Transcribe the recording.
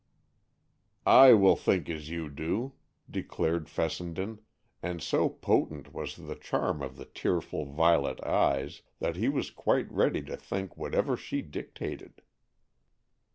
"I will think as you do," declared Fessenden, and so potent was the charm of the tearful violet eyes, that he was quite ready to think whatever she dictated.